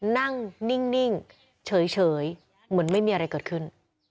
นั่งนิ่งเฉยเหมือนไม่มีอะไรเกิดขึ้น